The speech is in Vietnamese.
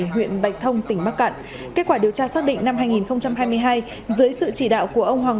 huyện bạch thông tỉnh bắc cạn kết quả điều tra xác định năm hai nghìn hai mươi hai dưới sự chỉ đạo của ông hoàng